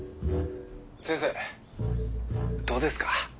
先生どうですか？